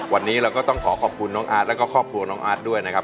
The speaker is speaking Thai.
วันนี้เราก็ต้องขอขอบคุณน้องอาร์ตแล้วก็ครอบครัวน้องอาร์ตด้วยนะครับ